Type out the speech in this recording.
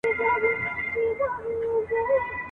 ډلي ډلي مي له لاري دي ايستلي !.